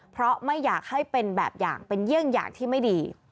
เพราะไม่อยากให้เป็นแบบอย่างเป็นเยี่ยงอย่างที่ไม่ดี